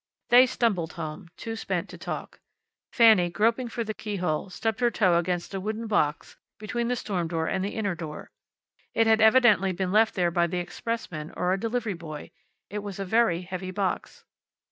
They stumbled home, too spent to talk. Fanny, groping for the keyhole, stubbed her toe against a wooden box between the storm door and the inner door. It had evidently been left there by the expressman or a delivery boy. It was a very heavy box.